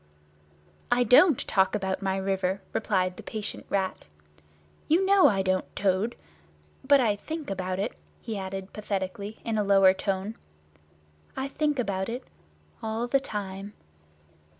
"I don't talk about my river," replied the patient Rat. "You know I don't, Toad. But I think about it," he added pathetically, in a lower tone: "I think about it—all the time!"